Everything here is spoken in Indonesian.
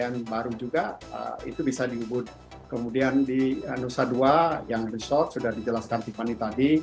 kalau ingin baru juga itu bisa di ubud kemudian di nusa dua yang resort sudah dijelaskan tiffany tadi